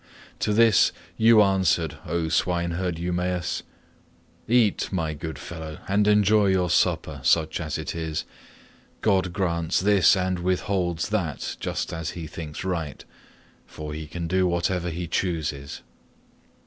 To this you answered, O swineherd Eumaeus, "Eat, my good fellow, and enjoy your supper, such as it is. God grants this, and withholds that, just as he thinks right, for he can do whatever he chooses."